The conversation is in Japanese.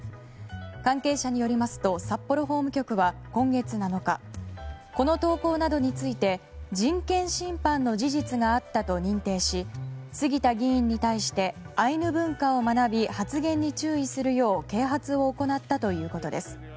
関係者によりますと札幌法務局は今月７日この投稿などについて人権侵犯の事実があったと認定し杉田議員に対してアイヌ文化を学び発言に注意するよう啓発を行ったということです。